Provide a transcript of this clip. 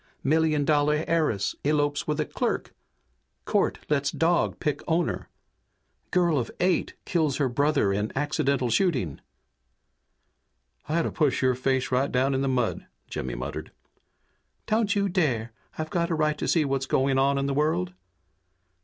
Million dollar heiress elopes with a clerk! Court lets dog pick owner! Girl of eight kills her brother in accidental shooting!" "I ought to push your face right down in the mud," Jimmy muttered. "Don't you dare! I've a right to see what's going on in the world!"